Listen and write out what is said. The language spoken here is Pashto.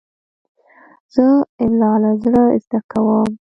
زه املا له زړه زده کوم.